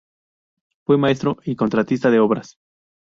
Fue maestro y contratista de obras.